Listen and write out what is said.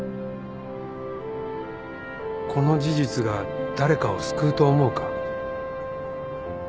この事実が誰かを救うと思うか？